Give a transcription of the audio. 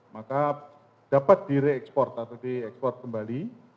maka dapat direksport atau dieksport kembali